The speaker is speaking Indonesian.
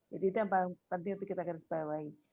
jadi itu yang penting untuk kita harus bawahi